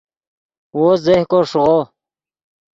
وو زیہکو ݰیغو